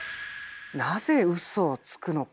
なぜウソをつくのか。